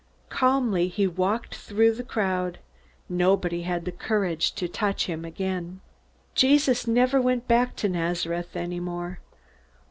Calmly he walked through the crowd. Nobody had the courage to touch him again. Jesus never went back to Nazareth any more.